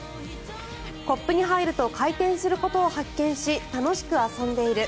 コップに入ると回転することを発見し楽しく遊んでいる。